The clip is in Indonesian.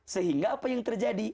sehingga apa yang terjadi